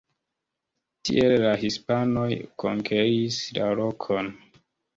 Tiele la hispanoj konkeris la lokon.